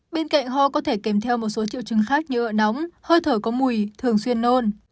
bên cạnh ho có thể kèm theo một số triệu chứng khác như nóng hơi thở có mùi thường xuyên nôn